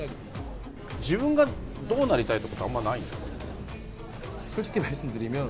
自分がどうなりたいとか、あんまないんですか？